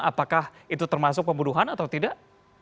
apakah itu termasuk pembunuhan atau tidak